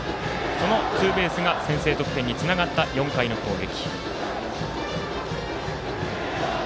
そのツーベースが先制得点につながった４回の攻撃。